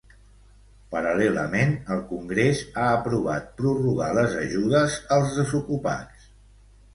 Paral·lelament, el Congrés ha aprovat prorrogar les ajudes als desocupats.